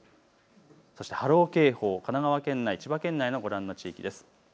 そして波浪警報、神奈川県内、千葉県内のご覧の地域です。